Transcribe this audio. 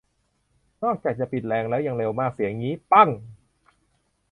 นอกจากจะปิดแรงแล้ว ยังเร็วมาก เสียงงี้ ปัง !